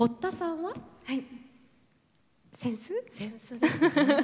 はい。